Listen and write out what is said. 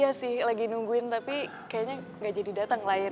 iya sih lagi nungguin tapi kayaknya gak jadi datang lah ya